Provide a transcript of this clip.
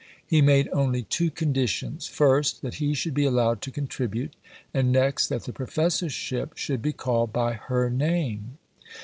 He made only two conditions; first, that he should be allowed to contribute; and next, that the Professorship should be called by her name.